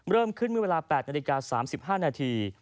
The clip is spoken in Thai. เริ่มขึ้นเมื่อเวลา๘นาฬิกา๓๕นาที